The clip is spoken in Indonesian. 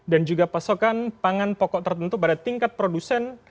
dan juga pasokan pangan pokok tertentu pada tingkat produsen